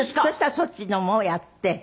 そしたらそっちのもやって。